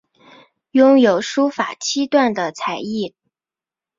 拥有书法七段的才艺。